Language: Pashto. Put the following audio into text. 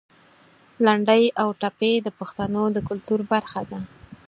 لنډۍ او ټپې د پښتنو د کلتور برخه ده.